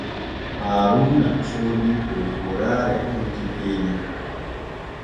Haaruuna soodii poopooraare hecce keenya.